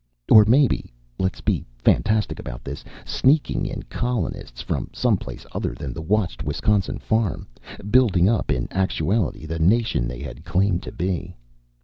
Or maybe let's be fantastic about this sneaking in colonists from some place other than the watched Wisconsin farm, building up in actuality the nation they had claimed to be.